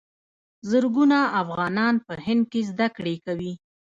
زرګونه افغانان په هند کې زده کړې کوي.